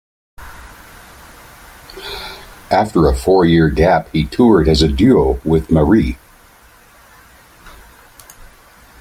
After a four-year gap he toured as a duo with Marie.